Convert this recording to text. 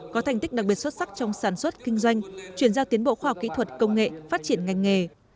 có thành tích đặc biệt xuất sắc trong sản xuất kinh doanh chuyển giao tiến bộ khoa học kỹ thuật công nghệ phát triển ngành nghề